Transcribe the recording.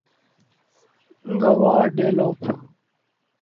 Guadeloupe